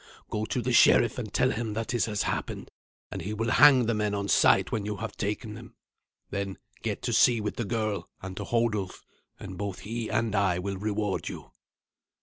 Go to the sheriff and tell him that it has happened, and he will hang the men on sight when you have taken them. Then get to sea with the girl, and to Hodulf, and both he and I will reward you."